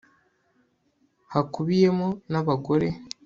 hakubiyemo n'abagore